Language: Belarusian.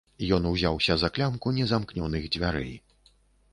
Ён узяўся за клямку незамкнёных дзвярэй.